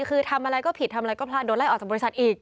คือทำอะไรก็ผิดได้ไหลออกจากบริษัทอีก